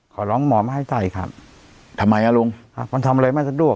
ขอร้องหมอมาให้ใส่ครับทำไมอ่ะลุงครับมันทำอะไรไม่สะดวก